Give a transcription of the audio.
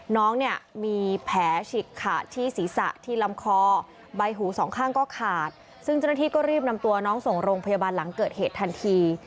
น้องเนี่ยมีแผลฉีกขาดที่ศีรษะที่ลำคอใบหูสองข้างก็ขาดซึ่งเจ้าหน้าที่ก็รีบนำตัวน้องส่งโรงพยาบาลหลังเกิดเหตุทันที